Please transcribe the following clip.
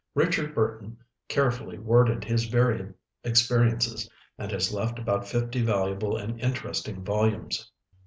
Richard Burton carefully worded his varied experiences, and has left about fifty valuable and interesting volumes.